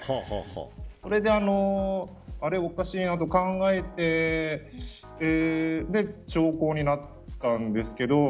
それであれ、おかしいなと考えてそれで長考になったんですけど。